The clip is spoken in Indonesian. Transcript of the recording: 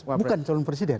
bukan calon presiden